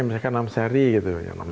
misalkan enam seri gitu